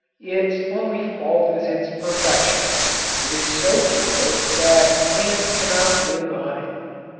Its only fault is its perfection. It is so pure that a man cannot live on it.